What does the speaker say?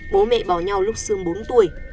bố mẹ bỏ nhau lúc sương bốn tuổi